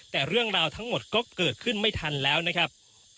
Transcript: แต่เรื่องราวทั้งหมดก็เกิดขึ้นไม่ทันแล้วนะครับ